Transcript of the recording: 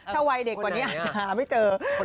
ถ้าวัยเด็กกว่านี้อาจจะหาไม่เจอ